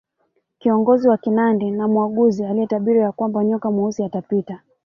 Kiongozi wa Kinandi na mwaguzi aliyetabiri ya kwamba nyoka mweusi atapita